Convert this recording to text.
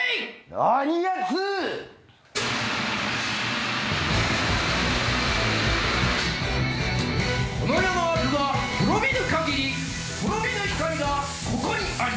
・何やつ⁉・この世の悪が滅びぬ限り滅びぬ光がここにあり！